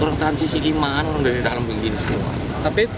orang tansisi gimana dari dalam begini semua